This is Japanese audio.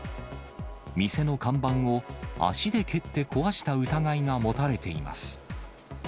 店の看板を足で蹴って壊した疑いが持たれています。